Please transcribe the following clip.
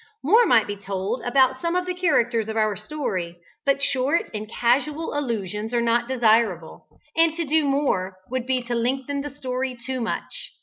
More might be told about some of the characters of our story, but short and casual allusions are not desirable, and to do more would be to lengthen the story too much.